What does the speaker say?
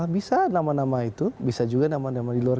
bisa nama nama itu bisa juga nama nama di luar